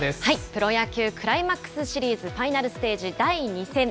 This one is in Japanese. プロ野球・クライマックスシリーズファイナルステージ第２戦。